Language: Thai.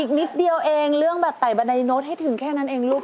นิดเดียวเองเรื่องแบบไต่บันไดโน้ตให้ถึงแค่นั้นเองลูก